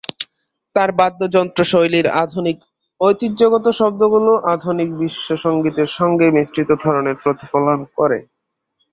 তার বাদ্যযন্ত্র শৈলীর আধুনিক ঐতিহ্যগত শব্দগুলো আধুনিক বিশ্ব সঙ্গীতের সঙ্গে মিশ্রিত ধরনের প্রতিফলন করে।